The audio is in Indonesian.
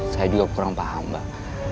saya juga kurang paham mbak